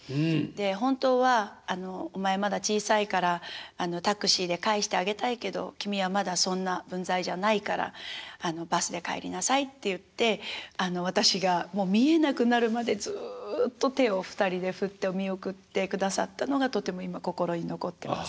「本当はお前まだ小さいからタクシーで帰してあげたいけど君はまだそんな分際じゃないからバスで帰りなさい」って言って私がもう見えなくなるまでずっと手をお二人で振って見送ってくださったのがとても今心に残ってます。